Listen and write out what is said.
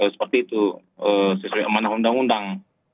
seperti itu sesuai amanah undang undang